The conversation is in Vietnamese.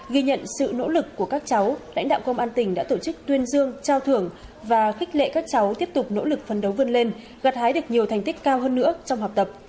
ghi nhận sự nỗ lực của các cháu lãnh đạo công an tỉnh đã tổ chức tuyên dương trao thưởng và khích lệ các cháu tiếp tục nỗ lực phấn đấu vươn lên gặt hái được nhiều thành tích cao hơn nữa trong học tập